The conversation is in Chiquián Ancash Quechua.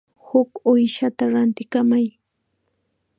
Huk uushata rantikamay.